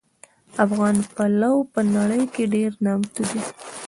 افغان پلو په نړۍ کې ډېر نامتو دي